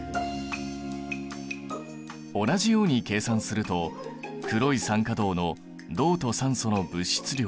同じように計算すると黒い酸化銅の銅と酸素の物質量